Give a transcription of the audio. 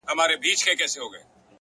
هره لاسته راوړنه له زحمت ځواک اخلي،